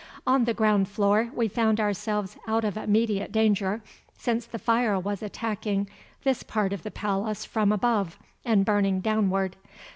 On the ground floor we found ourselves out of immediate danger, since the fire was attacking this part of the palace from above and burning downward.